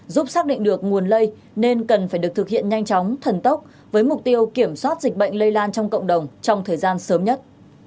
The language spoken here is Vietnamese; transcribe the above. giúp xác định được nguồn lây nên cần phải được thực hiện nhanh chóng thần tốc với mục tiêu kiểm soát dịch bệnh lây lan trong cộng đồng trong thời gian sớm nhất